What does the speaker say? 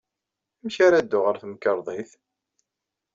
Amek ara dduɣ ɣer temkarḍit?